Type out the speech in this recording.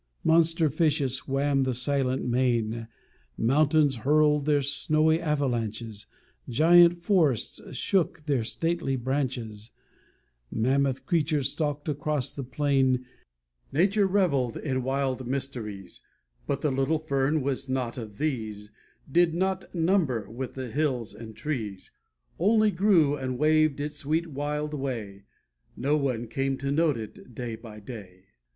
Monster fishes swam the silent main Mountains hurled their snowy avalanches, Giant forests shook their stately branches, Mammoth creatures stalked across the plain; Nature reveled in wild mysteries, But the little fern was not of these, Did not number with the hills and trees, Only grew and waved its sweet wild way No one came to note it day by day.